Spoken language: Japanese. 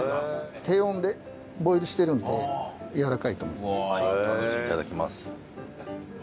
低温でボイルしてるんでやわらかいと思います。